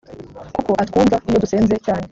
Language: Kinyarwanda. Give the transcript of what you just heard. kuko atwumva iyo dusenze cyane